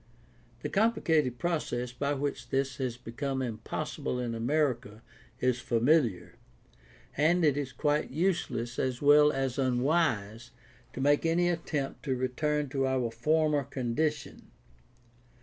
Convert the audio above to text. The complicated process by which this has become impossible in America is familiar, and it is quite useless as well as unwise to make any attempt to return to our former condition.